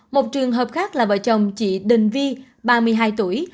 một trường hợp khác là vợ chồng chị đình vi ba mươi hai tuổi